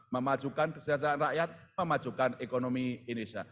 memajukan kesejahteraan rakyat memajukan ekonomi indonesia